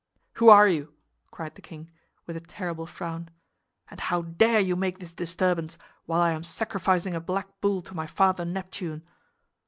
"Who are you?" cried the king, with a terrible frown. "And how dare you make this disturbance, while I am sacrificing a black bull to my father Neptune?"